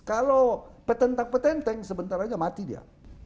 kalau petentang petenteng sebentar aja mati dia